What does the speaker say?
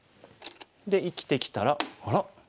で生きてきたらあら？